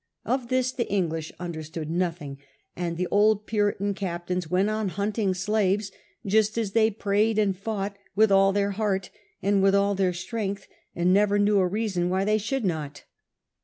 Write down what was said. Of this the English understood nothing ; and the old Puritan captains went on hunting slaves, just as they prayed and fought, with all their heart and with all their strength, and never knew a reason why they should not.